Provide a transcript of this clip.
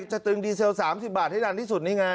ตึงดีเซล๓๐บาทให้ดันที่สุดนี่ไง